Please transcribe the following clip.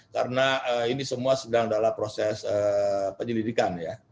karena ini semua sedang dalam proses penyelidikan ya